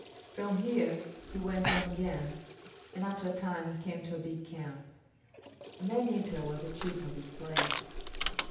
From here he went on again, and after a time he came to a big camp. A man eater was the chief of this place.